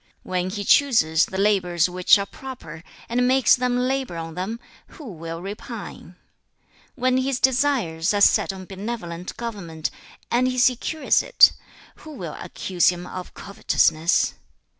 When he chooses the labours which are proper, and makes them labour on them, who will repine? When his desires are set on benevolent government, and he secures it, who will accuse him of covetousness?